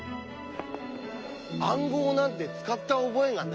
暗号なんて使った覚えがない？